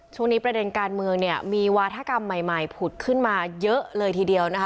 ช่วงนี้ประเด็นการเมืองมีวาฒนากรรมใหม่ผุดขึ้นมาเยอะเลยทีเดียวนะคะ